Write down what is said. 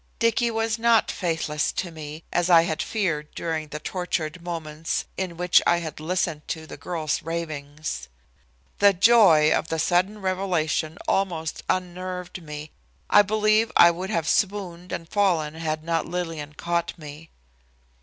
Dicky was not faithless to me, as I had feared during the tortured moments in which I had listened to, the girl's ravings. The joy of the sudden revelation almost unnerved me. I believe I would have swooned and fallen had not Lillian caught me.